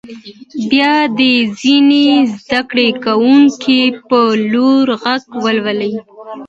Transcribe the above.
بیا دې ځینې زده کوونکي په لوړ غږ ولولي.